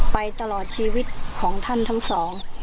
ตลอดชีวิตของท่านทั้งสอง